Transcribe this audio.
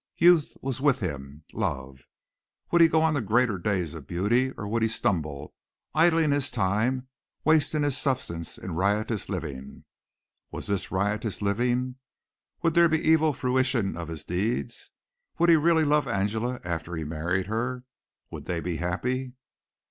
Youth was with him love. Would he go on to greater days of beauty or would he stumble, idling his time, wasting his substance in riotous living? Was this riotous living? Would there be evil fruition of his deeds? Would he really love Angela after he married her? Would they be happy?